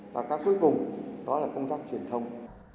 và cái cuối cùng đó là công tác truyền thông